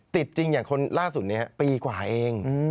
ติดจริงอย่างคนล่าสุดนี้ปีกว่าเอง